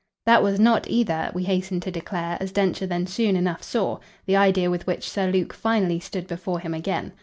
That was not, either, we hasten to declare as Densher then soon enough saw the idea with which Sir Luke finally stood before him again.